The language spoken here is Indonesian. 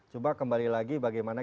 coba kembali lagi bagaimana